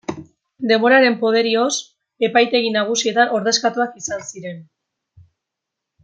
Denboraren poderioz, epaitegi nagusietan, ordezkatuak izan ziren.